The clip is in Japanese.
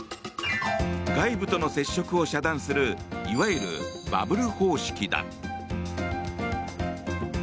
外部との接触を遮断するいわゆるバブル方式だ。